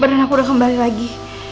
badan aku sudah kembali lagi